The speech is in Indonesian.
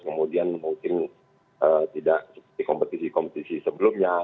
kemudian mungkin tidak seperti kompetisi kompetisi sebelumnya